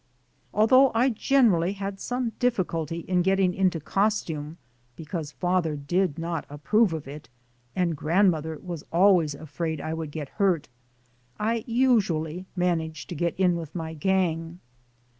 Although I gen erally had some difficulty in getting into costume because father did not approve of it, and grand mother was always afraid I would get hurt, I us ually managed to get in with my gang.